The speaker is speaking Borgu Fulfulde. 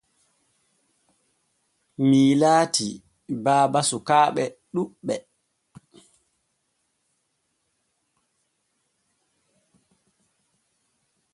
Mii laati baba sukaaɓe ɗuɓɓe.